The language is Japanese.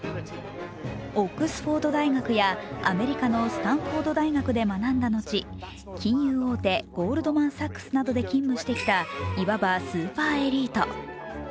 オックスフォード大学やアメリカのスタンフォード大学で学んだのち、金融大手ゴールドマン・サックスなどで勤務してきた、いわばスーパーエリート。